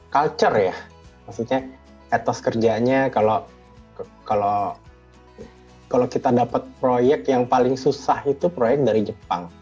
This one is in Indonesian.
culture ya maksudnya etos kerjanya kalau kita dapat proyek yang paling susah itu proyek dari jepang